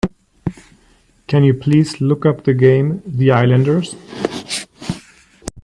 Can you please look up the game, The Islanders?